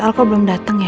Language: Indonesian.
mas al kok belum datang ya